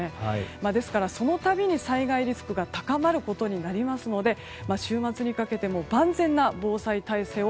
ですから、その度に災害リスクが高まることになるので週末にかけても万全な防災体制を